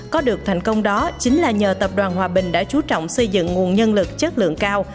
có được thành công đó chính là nhờ tập đoàn hòa bình đã chú trọng xây dựng nguồn nhân lực chất lượng cao